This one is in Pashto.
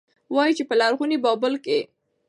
وايي، چې په لرغوني بابل کې